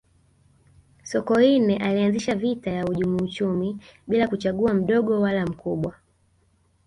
sokoine alianzisha vita ya wahujumu uchumi bila kuchagua mdogo wala mkubwa